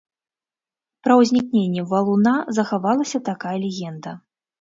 Пра ўзнікненне валуна захавалася такая легенда.